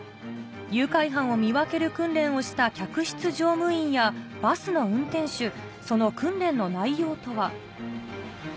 誘拐犯を見分ける訓練をした客室乗務員やバスの運転手その訓練の内容とは？